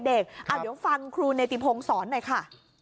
เดี๋ยวฟังครูเนติพงศรหน่อยค่ะ